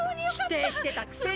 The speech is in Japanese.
否定してたくせに！